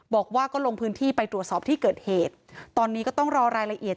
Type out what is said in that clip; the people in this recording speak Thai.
บอกว่าก็ลงพื้นที่ไปตรวจสอบที่เกิดเหตุตอนนี้ก็ต้องรอรายละเอียด